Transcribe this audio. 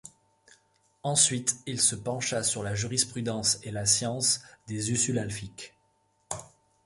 Ensuite il se pencha sur la jurisprudence et la science des Usul al-Fiqh.